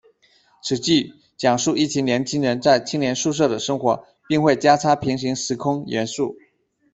此剧讲述一群年轻人在青年宿舍的生活，并会加插平行时空元素。